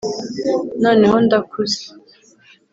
noneho ndakuze